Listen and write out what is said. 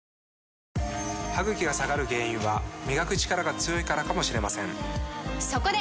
歯ぐきが下がる原因は磨くチカラが強いからかもしれませんそこで！